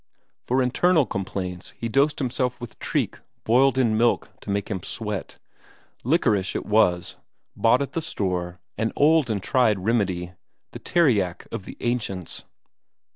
For internal complaints, he dosed himself with treak boiled in milk to make him sweat liquorice it was, bought at the store, an old and tried remedy, the Teriak of the ancients.